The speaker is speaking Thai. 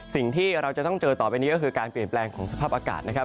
สิ่งที่เราจะต้องเจอต่อไปนี้ก็คือการเปลี่ยนแปลงของสภาพอากาศนะครับ